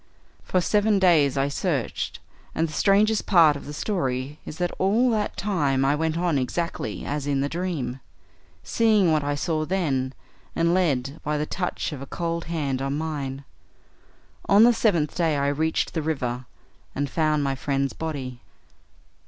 For seven days I searched, and the strangest part of the story is that all that time I went on exactly as in the dream, seeing what I saw then, and led by the touch of a cold hand on mine. On the seventh day I reached the river, and found my friend's body."